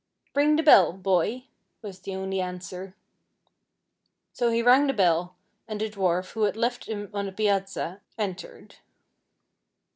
"Ring the bell, boy," was the only answer. So he rang the bell, and the dwarf, who had left them on the piazza, entered.